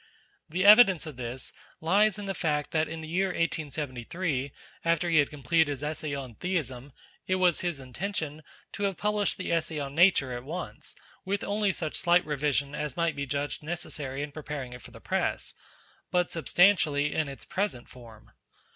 The evidence of this lies in the fact that in the year 1873, after he had completed his Essay on Theism, it was his intention to have published the Essay on Nature at once, with only such slight revision as might be judged necessary in preparing it for the press, but substantially in its present form.